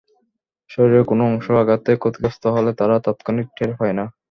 শরীরের কোনো অংশ আঘাতে ক্ষতিগ্রস্ত হলে তারা তাৎক্ষণিক টের পায় না।